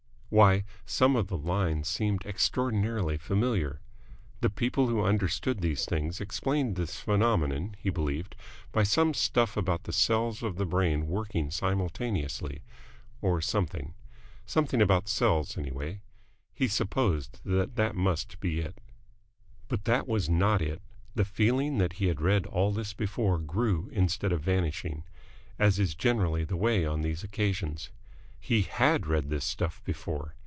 Why, some of the lines seemed extraordinarily familiar. The people who understood these things explained this phenomenon, he believed, by some stuff about the cells of the brain working simultaneously or something. Something about cells, anyway. He supposed that that must be it. But that was not it. The feeling that he had read all this before grew instead of vanishing, as is generally the way on these occasions. He had read this stuff before.